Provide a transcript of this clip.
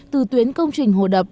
từ tuyến công trình hồ đập